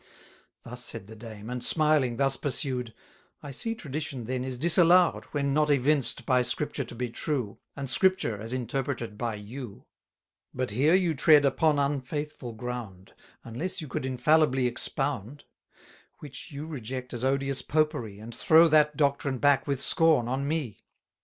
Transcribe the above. Thus said the dame, and, smiling, thus pursued: I see Tradition then is disallow'd, When not evinced by Scripture to be true, 190 And Scripture, as interpreted by you. But here you tread upon unfaithful ground; Unless you could infallibly expound: Which you reject as odious Popery, And throw that doctrine back with scorn on me.